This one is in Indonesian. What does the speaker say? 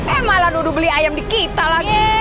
eh malah nuduh beli ayam di kita lagi